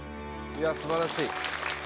いや素晴らしい